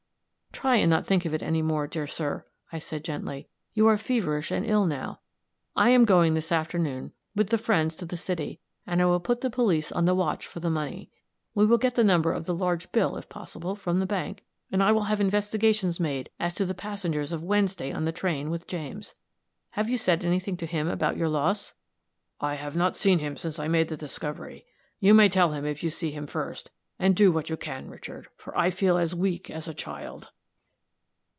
"Try and not think any more, dear sir," I said, gently. "You are feverish and ill now. I am going, this afternoon, with the friends to the city, and I will put the police on the watch for the money. We will get the number of the large bill, if possible, from the bank, and I will have investigations made as to the passengers of Wednesday on the train with James. Have you said any thing to him about your loss?" "I have not seen him since I made the discovery. You may tell him if you see him first; and do what you can, Richard, for I feel as weak as a child."